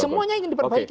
semuanya ingin diperbaiki